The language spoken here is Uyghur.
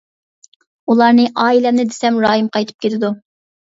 ئۇلارنى، ئائىلەمنى دېسەم رايىم قايتىپ كېتىدۇ.